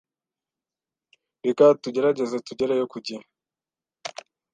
Reka tugerageze tugereyo ku gihe.